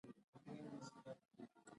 اېن جي او پراخ مفهوم لري.